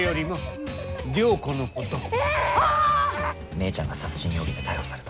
姉ちゃんが殺人容疑で逮捕された。